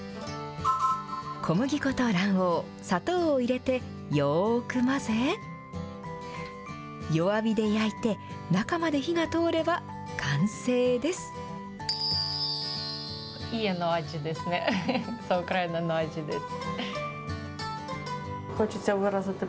小麦粉と卵黄、砂糖を入れてよーく混ぜ、弱火で焼いて、中まで火が通れば完成です。